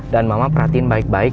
mama perhatiin baik baik